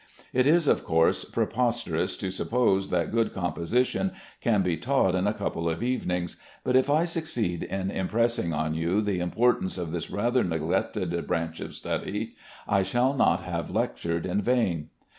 It is, of course, preposterous to suppose that good composition can be taught in a couple of evenings; but if I succeed in impressing on you the importance of this rather neglected branch of study, I shall not have lectured in vain.